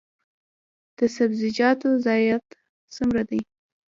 د سبزیجاتو ضایعات څومره دي؟